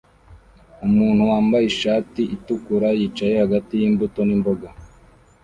Umuntu wambaye ishati itukura yicaye hagati yimbuto n'imboga